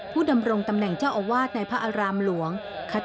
ดำรงตำแหน่งเจ้าอาวาสในพระอารามหลวง